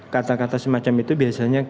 kata kata semacam itu biasanya